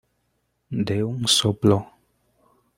de un soplo.